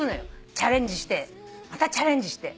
チャレンジしてまたチャレンジして。